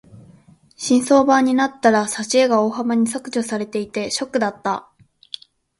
新装版になったら挿絵が大幅に削除されていてショックだった。